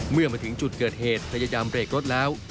เมื่อมาถึงจุดเกิดเหตุพยายามเบรกรถแล้ว